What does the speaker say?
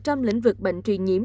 trong lĩnh vực bệnh truyền nhiễm